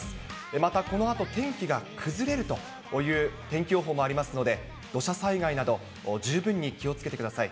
また、このあと天気が崩れるという天気予報もありますので、土砂災害など、十分に気をつけてください。